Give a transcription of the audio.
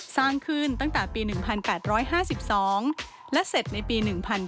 สร้างขึ้นตั้งแต่ปี๑๘๕๒และเสร็จในปี๑๙